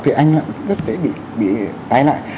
thì anh rất dễ bị tái lại